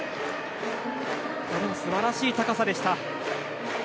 すばらしい高さでした。